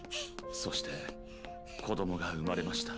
そして子供が生まれました。